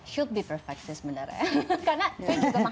should be perfect sih sebenarnya